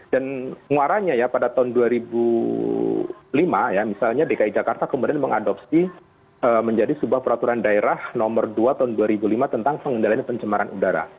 dan penguarannya ya pada tahun dua ribu lima ya misalnya dki jakarta kemudian mengadopsi menjadi sebuah peraturan daerah nomor dua tahun dua ribu lima tentang pengendalian penjemaran udara